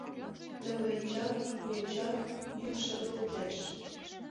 Тывечат-тувечат йӱк шергылтеш: